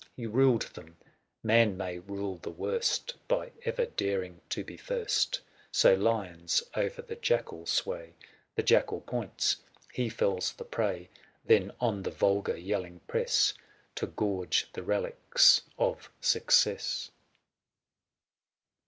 280 He ruled them — man may rule the worst, By ever daring to be first : So lions o'er the jackal sway ;. I The jackal points, he fells the prey. Then on the vulgar yelling press, 285 To gorge the relics of success.